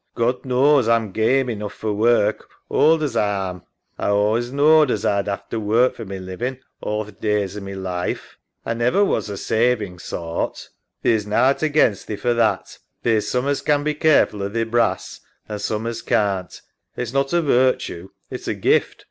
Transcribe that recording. God knaws A'm game enough for work, ould as A am. A allays knawed as A'd 'ave to work for my living all th' days o' my life. A never was a savin' sort. EMMA. Theer's nowt against thee for that. Theer's some as can be careful o' theer brass an' some as can't. It's not a virtue, it's a gift.